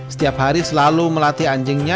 setiap hari selalu melatih anjingnya